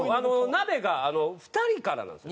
鍋が２人からなんですよ。